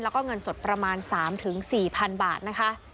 แล้วก็เงินสดประมาณ๓๔๐๐๐บาทนะคะ